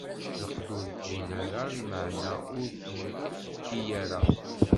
Lqedd ur ǧǧin ara, lmeɛna ur ten-tekki ara.